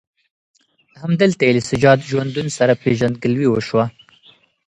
همدلته یې له سجاد ژوندون سره پېژندګلوي وشوه.